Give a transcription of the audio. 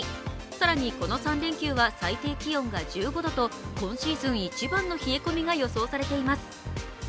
更に、この３連休は最低気温が１５度と今シーズン一番の冷え込みが予想されています